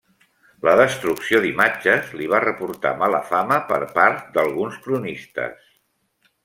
La destrucció d'imatges li va reportar mala fama per part d'alguns cronistes.